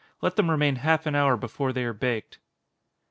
Let them remain half an hour before they are baked.